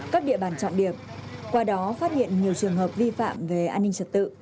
các địa bàn trọng điểm qua đó phát hiện nhiều trường hợp vi phạm về an ninh trật tự